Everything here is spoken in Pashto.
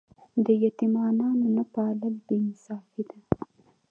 د یتیمانو نه پالل بې انصافي ده.